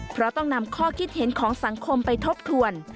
เพราะต้องนำข้อคิดเห็นของสังคมไปทบทวน